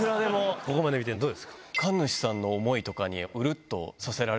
ここまで見てどうですか？